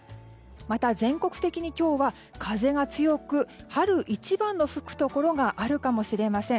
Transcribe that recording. また、全国的に今日は風が強く、春一番の吹くところがあるかもしれません。